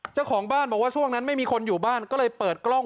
เจ้าของบ้านบอกว่าช่วงนั้นไม่มีคนอยู่บ้านก็เลยเปิดกล้อง